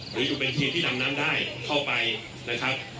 หรือจะเป็นทีมที่ดำน้ำได้เข้าไปนะครับ